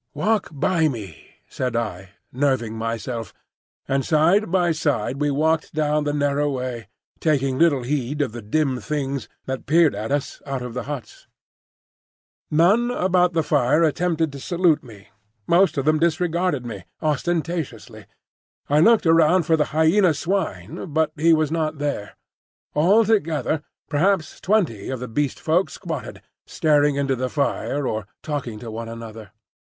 "Walk by me," said I, nerving myself; and side by side we walked down the narrow way, taking little heed of the dim Things that peered at us out of the huts. None about the fire attempted to salute me. Most of them disregarded me, ostentatiously. I looked round for the Hyena swine, but he was not there. Altogether, perhaps twenty of the Beast Folk squatted, staring into the fire or talking to one another.